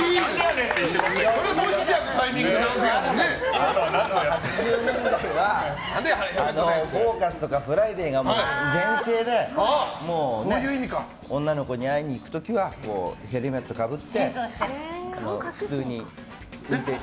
それトシちゃんのタイミングで８０年代は「フォーカス」とか「フライデー」が全盛で女の子に会いに行くときはヘルメットをかぶって普通に運転して。